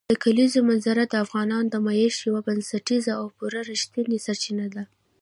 د کلیزو منظره د افغانانو د معیشت یوه بنسټیزه او پوره رښتینې سرچینه ده.